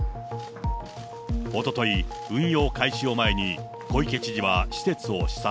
おととい、運用開始を前に、小池知事は施設を視察。